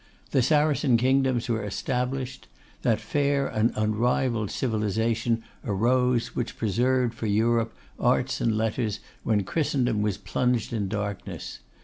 The Saracen kingdoms were established. That fair and unrivalled civilisation arose which preserved for Europe arts and letters when Christendom was plunged in darkness.